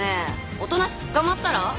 おとなしく捕まったら？